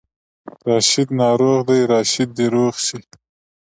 راشد ناروغ دی، راشد دې روغ شي